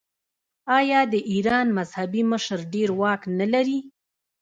آیا د ایران مذهبي مشر ډیر واک نلري؟